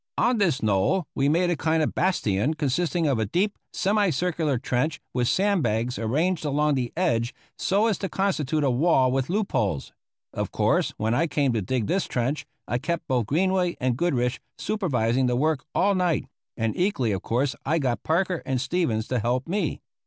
On this knoll we made a kind of bastion consisting of a deep, semi circular trench with sand bags arranged along the edge so as to constitute a wall with loop holes. Of course, when I came to dig this trench, I kept both Greenway and Goodrich supervising the work all night, and equally of course I got Parker and Stevens to help me.